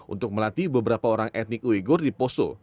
untuk melatih beberapa orang etnik uyghur di poso